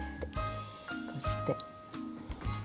こうして。